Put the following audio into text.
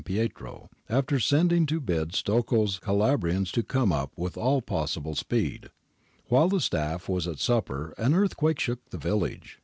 Pietro, after sending to bid Stocco's Cala brians to come up with all possible speed. While the stafT was at supper an earthquake shook the village, and TIRIOLO. S. PIETRO.